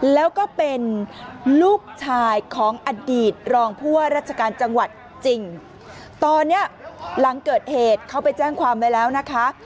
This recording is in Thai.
แล้วก็เป็นลูกชายของอดีตรองผู้ว่าราชการจังหวัดจริงตอนเนี้ยหลังเกิดเหตุเขาไปแจ้งความไว้แล้วนะคะ